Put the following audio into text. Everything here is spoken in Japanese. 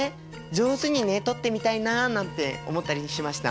上手にね撮ってみたいななんて思ったりしました。